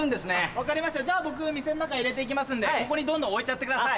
分かりました僕店の中入れて行きますんでここにどんどん置いちゃってください。